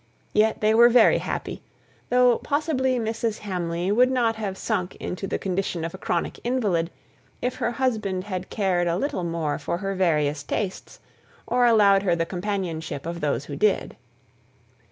Yet they were very happy, though possibly Mrs. Hamley would not have sunk into the condition of a chronic invalid, if her husband had cared a little more for her various tastes, or allowed her the companionship of those who did.